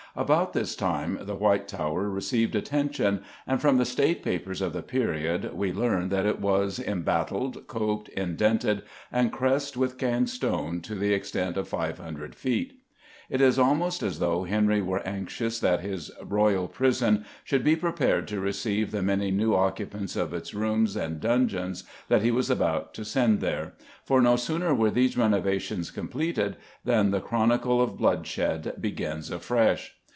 About this time the White Tower received attention, and from the State Papers of the period we learn that it was "embattled, coped, indented, and cressed with Caen stone to the extent of five hundred feet." It is almost as though Henry were anxious that his royal prison should be prepared to receive the many new occupants of its rooms and dungeons that he was about to send there, for no sooner were these renovations completed than the chronicle of bloodshed begins afresh.